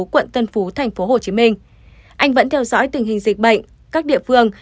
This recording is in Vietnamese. quận tân phú thành phố hồ chí minh anh vẫn theo dõi tình hình dịch bệnh các địa phương